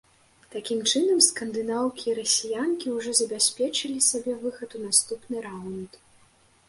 Такім чынам, скандынаўкі і расіянкі ўжо забяспечылі сабе выхад у наступны раўнд.